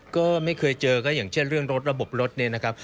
ก็ไม่เคยเจอก็อย่างเช่นเรื่องรถระบบรถเนี่ยนะครับ